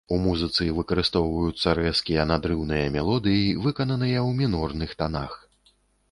У музыцы выкарыстоўваюцца рэзкія, надрыўныя мелодыі, выкананыя ў мінорных танах.